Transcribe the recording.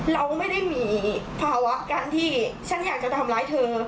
เราไม่ได้มีภาวะการที่ฉันอยากจะทำร้ายเธอ